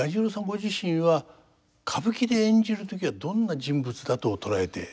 ご自身は歌舞伎で演じる時はどんな人物だと捉えてやってますか？